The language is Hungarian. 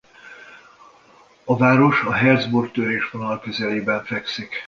A város a Healdsburg-törésvonal közelében fekszik.